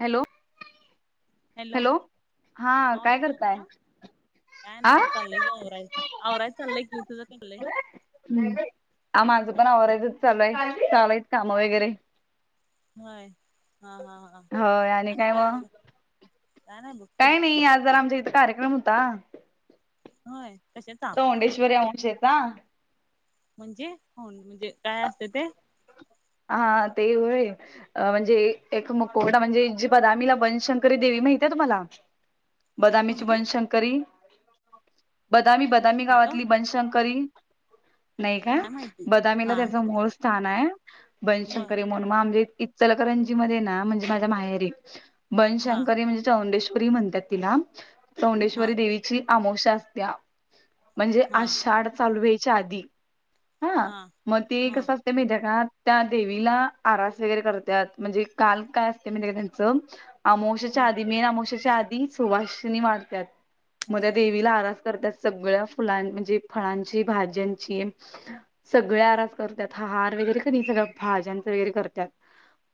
Hello, hello हा आवाज काय येतोय करताय? माझा काय आ नाही चाललंय की आवरा आवराच चाललंय की. तुझं काय चाललंय? हम्म हा माझं पण आवरायचच चालूय. चालु आहेत काम वगैरे. होय. हा हा हा आणि त्यामुळे काय नाय काही नाही. आज जरा आमच्या इथं कार्यक्रम होता. होय तसेच तो मुंडेश्वरी या अंशेत ना. म्हणजे होन म्हणजे काय असते ते. हा ते होय. अ म्हणजे एक मुकोंडा म्हणजे जी बदामीला वनशंकरी देवी माहती आहे तुम्हाला? बदामीची कोणती वनशंकरी. बदामी बदा बदामी माझ गावातली बनशंकरी. नाही काय? माहिती बदामीला हा त्याच मूळ स्थान आहे. बर बनशंकरी मोनमा म्हणजे इचलकरंजी मध्ये ना म्हणजे माझ्या माहेरी हा बनशंकरी म्हणजे चौंडेश्वरी म्हणतात तिला. हा चौंडेश्वरी देवी आमोश्या असत्या. म्हणजे हा आषाढ चालवायच्या आधी. हा मग ते हा कस असते माहितीये का? त्या देवीला आरास वगैरे करत्यात. म्हणजे काल काय असते म्हणजे त्यांच. अमावशाच्या ह आधी मेन अमाोशाच्या आधी सुवासिनी वाणत्यात. म त्या देवीला आरास करतात. सगळ्या फुलां म्हणजे फळांची भाज्यांची. सगळी आरास करतात. हार वगैरे सगळ्या भाज्यांचं वगैरे करत्यात.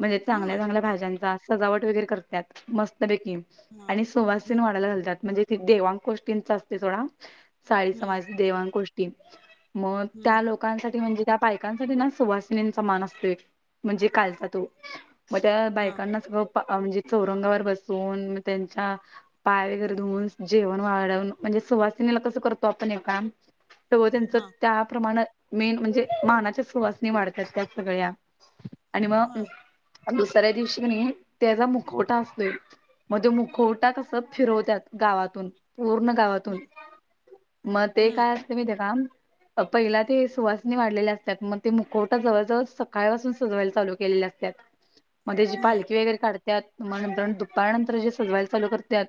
म्हणजे चांगल्या हा चांगल्या बर भाज्यांचा सजावट वगैरे करत्यात. मस्त पैकी. हा आणि हम्म सुवासन वाढायला घालतात‌. म्हणजे देवांग कोष्टींचा असते सोडा. साळी हम्म समाज देवांग कोष्टी. मग हम्म त्या लोकांसाठी म्हणजे त्या बायकांसाठी ना सुवासिनी मान असतोय. म्हणजे कालचा तो. मग त्या हा बायकांना सगळ म्हणजे चौरंगावर बसून त्यांच्या पाय वगैरे धुऊून. जेवण वाढवून. म्हणजे सुवासिनेला कसं करतो आपण हे काम तव त्यांच हा त्याप्रमाण मेन म्हणजे मानाच्या सुवासनी वाढत. हॅशटॅग सगळ्या आणि मग ह दुसऱ्या दिवशी का नाय, त्याचा मुकवटा असतोय. मग तो मुखवटा कस फिरवत्यात गावातून पूर्ण गावातून हम्म मग ते काय ते माहिती का? पहिला ते सुवासनी वाढलेले असतात. मग ते मुखोट आत्ता जवळ जवळ सकाळ पाासून सजवायला चालू केलेले असतात. मध्ये जी हम्म हम्म पालखी वगैरे काढ त्यात तुम्हाला नंतर, दुपारनंतर जे सजवायला चालू करत्यात.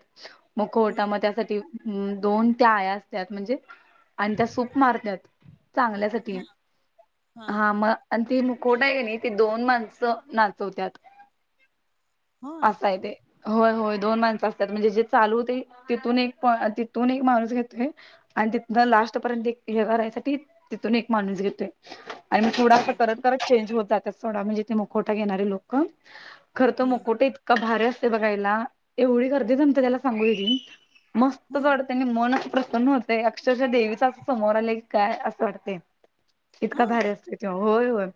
मुखवटा मग हम्म त्यासाठी दोन त्या आया असत्यात म्हणजे आणि त्या सूप मारत्यात चांगल्या अस तितकी, हा हा मग आणि ती मुखवटा आहे का नाही ते दोन माणसं नाचवतत. होय असा आहे ते, होय होय, दोन माणसं असतात म्हणजे जे चालूते तिथून एक तिथून एक माणूस घेतोय. आणि तिथन लास्ट पर्यंत एक हे करायसाठी. तिथून एक माणूस घेतोय. आणि मग थोडा असं हम्म करत करत चेंज होत जातात. सोडा म्हणजे ते मुखोटा घेणारे लोक खर तर, हम्म मुखवटा इतकां भारी असते बघायला. एवढी गर्दी जमते त्याला सांगू देे. मस्तच ह वाटतय त्यांनी मनच प्रसन्न होत. अक्षरशा देवीचा अस समोर आलं की काय असं वाटतय. इतका हा भारी असतो. ते होय होय,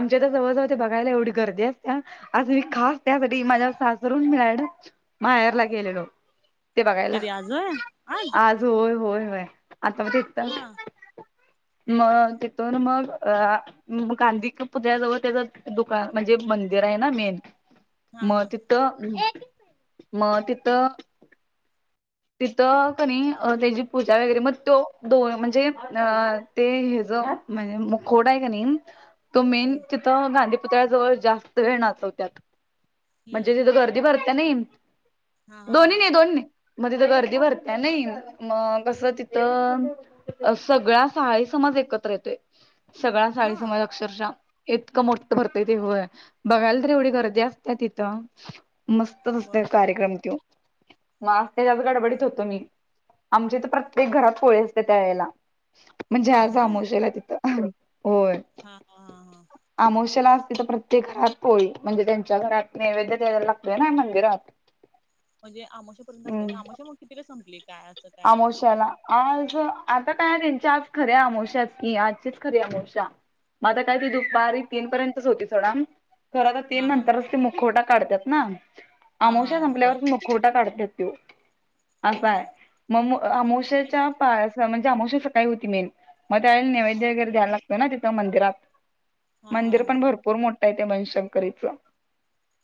आमच्या तर जवळज होते. बघायला एवढी गर्दी असत्या, आ मी खास त्यासाठी माझ्यावर सासरून मिळाला माहेरला गेलेलो, ते बघायला. कधी आज होय आज होय होय होय, आता मग तिथं हा मग तिथून मग अ मग, गांधी पुतळ्याजवळ त्याचं दुकान म्हणजे मंदिर आहे. ना मेन हा हा मग त तर मग तिथं तिथं कनी त्याची पूजा वगैरे मग तो दोन म्हणजे अ ते हेच म्हणजे मुखवट आहे. कनी हम - तो मेन हम्म तिथं गांधी पुुतळ्या जवळ जास्त वेळ नाचतात. म्हणजे हम्म तिथं गर्दी भरते नाही. हा हा दोन्ही ने दोन्ही मग तिथं गर्दी भरत्या नाही. मग कस तिथं अ सगळा साहाळी समाज एकत्र येतोय. सगळा हा साहाळी हा समाज. अक्षरशा इतकं मोठं भरतय देऊळ बघायला तर एवढी गर्दी असते तिथं. मस्तच असते. बर कार्यक्रम तो मग आज त्याच्याच गडबडीत होते मी, आमच्या तर प्रत्येक घरात पोळी असते. त्या वेळेला म्हणजे आज अमोशा गत इथ, होय. हा हा हा हा, अमोशाला असते. तर प्रत्येक घरात पोळी म्हणजे त्यांच्या घरात नैवेद्य द्यायला लागतोय ना मंदिरात. म्हणजे अमोशापर्यंत असतेय हम्म का अमोशा मग कितीला संपली काय असं काय, चला, आज आता काय त्यांच्या आज खरी आमोशाच, की आजचीच खरीे आमोशा. मग आ काय त मग दुपारी तीन पर्यंतच होती. सोडा खरं आता तीन हा हा नंतरच ते मुखवटा काढतात. ना हा हा आमोशा हा बर संपल्यावर मग मुखवटा काढतात तो, हम, मग, आमोशाच्या पा म्हणजे आमोशा होती. मेन मग त्यावेळे हा नैवेद्य वगैरे द्यायला लाग ना तिथं, मंदिरात हा हा मंदिर हा पण भरपूर मोठं आहे ते मनशंकरीच.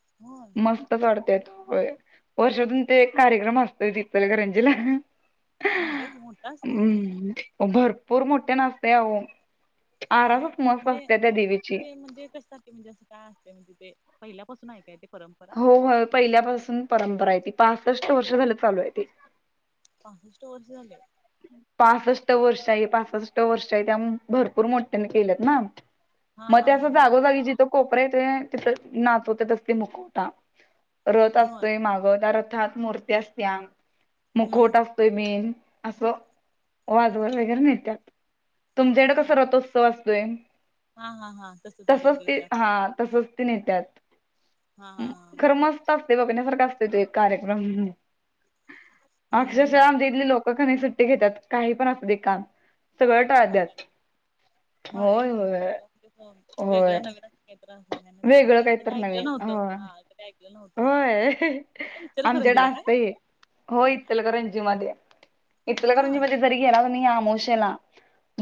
[unintelligible] मस्तच वाढतोय होय. वर्षातून ते एक कार्यक्रम असतोय इचलकरंजीला. भारी आहे की मोठा असतोय की हम्म, भरपूर मोठ्यांन असतं अहो, हा आरासच मस्त म्हणजे असत्या त्या देवीची. [unintelligible] काय असते. म्हणजे ते पहिल्यापासून हाय काय ते परफेक्ट. हो हो, पहिल्यापासून परंपरा आहे. ती पासष्ट वर्ष झालं चालू आहे ती, पाहून किती वर्ष झालय. पासष्ट वर्ष आहे पासष्ट वर्ष आहे त्या भरपूर मोठ्यांने केल्यात ना. हा मग ते हा असं हा हा जागोजागी जिथं कोपऱ्याथ तिथं नाचवत तसली मुकोटा. रथ होय असतोय माग त्या रथात मूर्ती असतीया हम्म मुखोटा असतोय मेन. असं वाजवत वगैरे न्हेत्यात. तुमच्याकडे हम्म कसा रथोत्सव असतोय. हा हा हा तसं तुमच्या तसच तिकडे ते त्या हा तसच ते न्हेत्यात. हा ह हा हा हा खरं मस्त असतय बघण्यासारखा असतेय ते एक कार्यक्रम. अक्षरशः हम्म आमच्या इथली लोकं कनी सुट्टी घेतात काही पण असू दे काम. सगळं होय टाळत्यात भारी आहे होय की होय होय. त्रास वेगळं काही तर [unintelligible] ऐकलं नवीन नव्हतं होय. ह ऐकलं नव्हत हे होय कुठ आमच्याकडे इचलकरंजीला काय. असतंय. हो इचलकरंजीमध्ये होय इचलकरंजीमध्ये जरी गेला तुम्ही आमोशेला.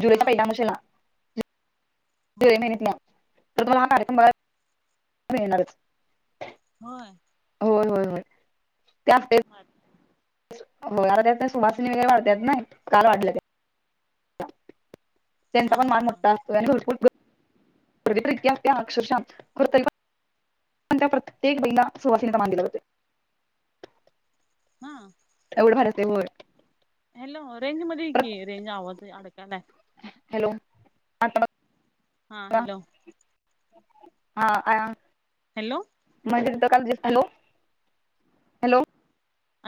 जुलै हा च्या पहिल्या अमावस्येला. हा जुलै महिन्यातला तरी तुम्हाला हा कार्यक्रम बघायला मिळणारच. होय. होय होय होय त्या. अच्छा. हो त्याच त्या नाही सुभासिणी वगैरे वाढत नाही काल वाढल्यात. त्यांचा हा पण मान हा मोठा असतो भरपूर गर्दी. गर्दी तर इतकी असत्या अक्षरशःप्रत्येक बाईला सुवासिनीचा मान दिला जातो. हा. एवढ भारी असतं होय. हॅलो रेंज मध्ये ये परत की रेंज आवाज अडकायला. हॅलो [inaudible] हा बघा हॅलो. हा अ [unintelligible] हॅलो. म्हण तथं काल हॅलो. हॅलो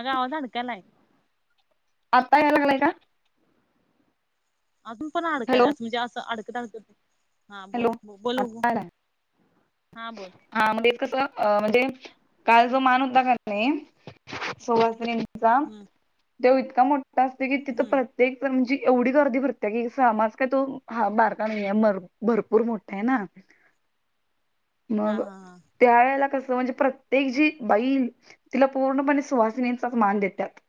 अग आवाज आडकलाय. आत्ता यायला लागलाय का. अजून पण हॅलो अडकायला असं म्हणजे असं अडकत अडकत हा बोल हॅलो बोल बघू. आता आलाय. हा बोल. हा म्हणजे कस म्हणजे काल जो मान होता का नाही सुहासिनीचा. हम्म चा इतका मोठा असते की तिथं हम्म प्रत्य तो म्हणजे एवढी गर्दी भरते की समाज काय तो हा बारका नाही आहे भ भरपूर मोठा आहे ना. हा मग हा हा त्यावेळेला कस म्हणजे प्रत्येक जी बाई. तिला पूर्णपणे सुहासिनींचाच मान देतात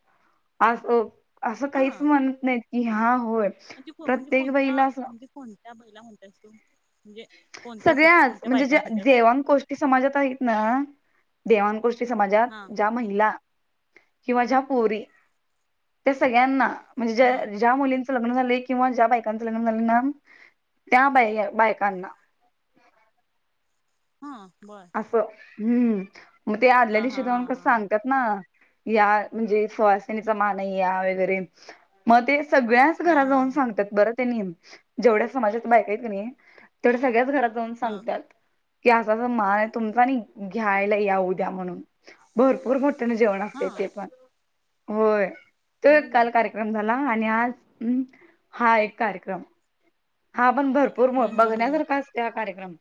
आज अ. असं काहीच हा म्हणत नाहीत की हा होय. म्हणजे म्हणजे प्रत्येक कोणत्या बाईला असं म्हणजे कोणत्या बाईला म्हणत्यास तू. म्हणजे कोणत्या साठी सगळ्याच कोणत्या म्हणजे ज्या बायकांसाठी असं. देवांगकोष्टी समाजात आहेत ना देवाण गोष्टी समाजात हा ज्या महिला. किंवा ज्या पोरी त्या सगळ्यांना म्हणजे हा जा जा. ज्या मुलींचं लग्न झाले किंवा ज्या बायकांचं लग्न झाले ना त्या बाय बायकांना. हा बार. असं हम म ते आल्या हा दिवशी जाऊन हा कस हा सागत्यात. ना या म्हणजे सूवासनीचा मान या वगैरे मग ते. सगळ्याच हा घराात जाऊन हा सांगतात बर तेनी. जेवढ्या समाजात बायक आहेत नाही तेवढ्या सगळ्याच घरात जाऊन हा सांगतात की असं असं. तो मान तुमचा नि घ्यायला या उद्या म्हणून. भरपूर मोठे जेवण हा असते ते पण होय तो होय काय काल कार रम झाला आणि आज हा एक कार्यक्रम हा पण भरपूर हम्म हम्म बघण्यासारख हम्म असतोय कार्यक्रम.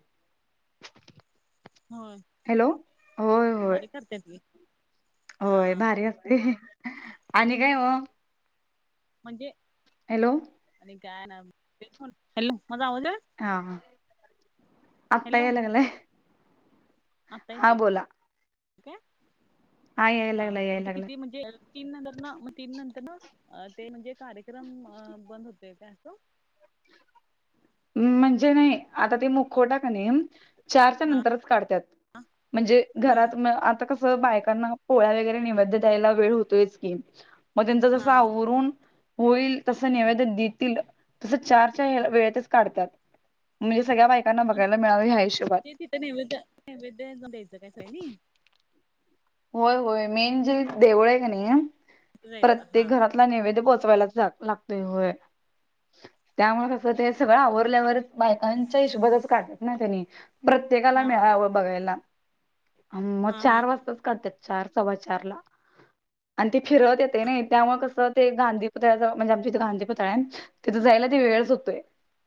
होय. हॅलो होय होय. करते की. हा होय भारी असते आणि काय मग. म्हणजे. हॅलो. आणि काय न माझा आवाज ये. हा. आत्ता हॅलो याय लागलाय आता येत हा बोला का. याय हा लागला याय मग ते लागला किती म्हणजे? तीन नंतर ना मग तीन नंतर ना ते म्हणजे कार्यक्रम बंद होते काय असं म्हणजे नाही आता ते मुखवटा कने चारच्या हा नंतरच काढत म्हणजे बर घरात आता कस बायकांना पोळ्या वगैरे निवध द्यायला वेळ होतोयच की मग त्यांचं जस हा आवरून होईल तस नैवेद देतील तसं चार चार वेळेतच तात म्हणजे सगळ्या बायकांना बघायला मिळावी हिशोबात. तर नाही नैवेद्य नैवेद्य द्यायचं आहेनी. होय होय मेन जे देवूळ का नाही तिथं जायचं प्रत्येक हा घरात. नैवद्य पोचवायलाच लागतय. त्यामुळे कसं ते सगळं आवरल्यावर बायकांच्या हिशोबातच काढत ना त्यांनी. प्रत्येकाला हा हा मिळावं बघायला म हा हा चार वाजता. चार सव्वा चार ला आणि ते फिरत येते ना त्यामुळे कस ते गांधी पुतळा म्हणजे आमच्या इथे गांधी पुतळा आहे तिथे जायला ते वेळच होतोय.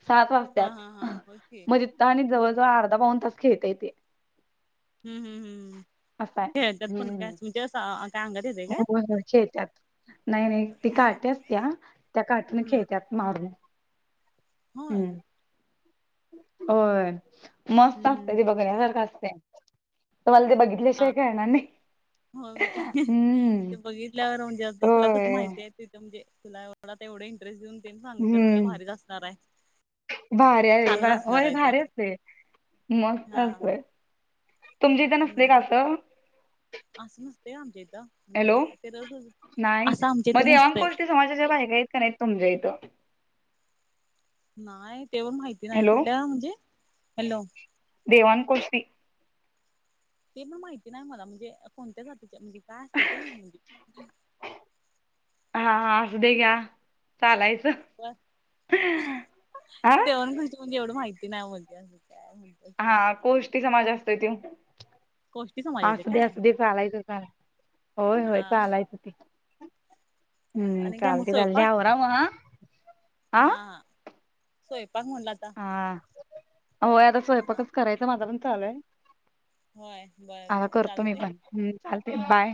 सात हा हा वाजत्यात हा होय की मग आणि जवळ जवळ अर्धा पाऊन तास खेळताय ते. हम् हम्म हम्म खेलत्यात पण का काय अंगातच आहे का. ह चैत्यात. नाही नाही ती काठी असत्या त्या काठीने हम्म खेळतत मारून. होय. हम्म होय मस्त असतय ते बघण्यासारखं असतय तुम्हाला ते बघितल्या त्याशिवाय कळनार नाही. हो हम्म ते बघितल्यावर म्हणजे आ तुला कस होय माहिती आहे तिथं म्हणजे तुला. तेवढा इंटरेस्ट देऊन ते सांगतेच म्हटलं भारीच असणार आहे. भारी् छानच आहे असणार होय आहे ते भारी असते मस्त हा असतय. तुमच्या इथं नसते का हम्म असं. असं नसतंय आमच्या इथं हॅलो म्हणजे ते र नाही असं आमच्या मग इथं नसतंय. देवाणकोष्टी समाजाच्या बायका आहेत का नाही तुमच्या इथं. नाही तेपण माहिती नाही हॅलो कुठल्या म्हणजे हॅलो. देवांग कोस्टी. ते पण माहिती नाही मला म्हणजे कोणत्या जातीच्या म्हणजे काय असते ते म्हणजे. हा हा असुदे घ्या चालायचं. हा देवांग कोष्टी म्हणजे एवढं माहिती नाही म्हणजे असं काय म्हण हा कोष्टी समाज असतोय तो. गोष्टी समाजाचे असू दे काय असू दे चालायचं होय होय हा चालायचं हो ते. हम्म आणि काय मग चालते चालते स्वयंपाक आवरा मग हा हा. स्वयंपाक म्हणाल आत्ता. हा होय आता स्वयंपाकच करायचं माझा पण चालूय. होय बर हा बर करतो मी चालतय पण चालतय बाय.